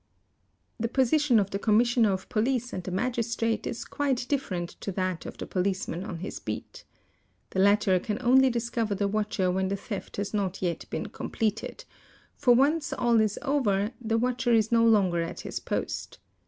The position of the Commissioner of Police and the Magistrate is quite different to that of the policeman on his beat. The latter can only discover the watcher when the theft has not yet been completed, for once all is over the watcher is no longer at his post.